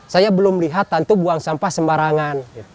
saya belum lihat tante buang sampah sembarangan